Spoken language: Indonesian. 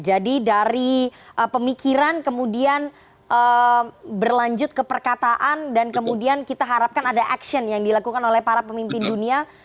dari pemikiran kemudian berlanjut ke perkataan dan kemudian kita harapkan ada action yang dilakukan oleh para pemimpin dunia